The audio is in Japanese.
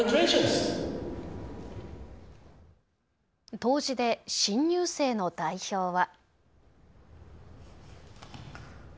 答辞で新入生の代表は。